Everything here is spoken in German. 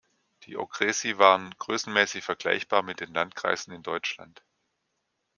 Die Okresy waren größenmäßig vergleichbar mit den Landkreisen in Deutschland.